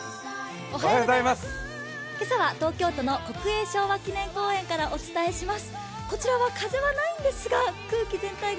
今朝は東京都の国営昭和記念公園からお伝えします。